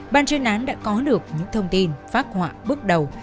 ban chuyên án đã có được những thông tin phát họa bước đầu